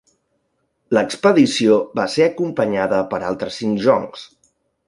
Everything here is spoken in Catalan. L'expedició va ser acompanyada per altres cinc joncs.